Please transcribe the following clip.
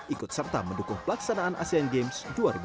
ikut serta mendukung pelaksanaan asean games dua ribu delapan belas